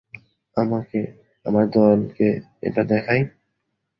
আমার দলকে এটা দেখাই।